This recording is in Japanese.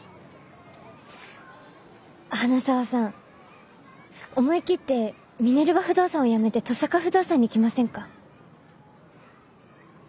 花澤さん思い切ってミネルヴァ不動産をやめて登坂不動産に来ませんか？